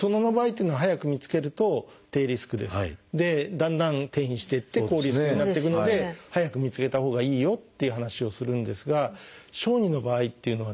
だんだん転移していって高リスクになっていくので早く見つけたほうがいいよっていう話をするんですが小児の場合っていうのはですね